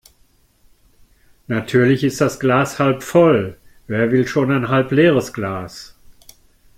Natürlich ist das Glas halb voll. Wer will schon ein halbleeres Glas?